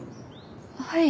はい。